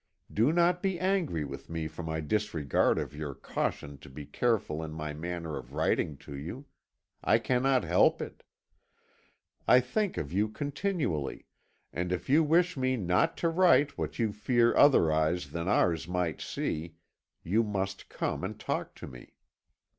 Do not be angry with me for my disregard of your caution to be careful in my manner of writing to you. I cannot help it. I think of you continually, and if you wish me not to write what you fear other eyes than ours might see, you must come and talk to me.